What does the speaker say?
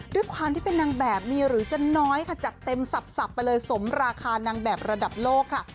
ด้วยความที่เป็นนางแบบมีหรือจะน้อยค่ะจัดเต็มสับไปเลยสมราคานางแบบระดับโลกค่ะ